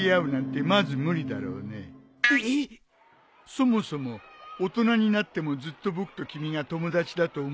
そもそも大人になってもずっと僕と君が友達だと思うかい？